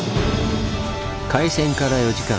開戦から４時間。